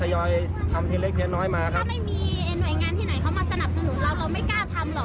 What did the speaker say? ให้เราทำนู่นทำนี่ให้บริการห้องเที่ยวให้ดีที่สุดให้สะอาดให้มีความพร้อม